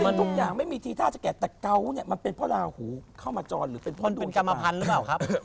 ทุกอย่างไม่มีทีท่าจะแกะแต่เกาะเนี่ยมันเป็นเพราะลาหูเข้ามาจรหรือเป็นพ่อโดนกรรมพันธุ์หรือเปล่าครับ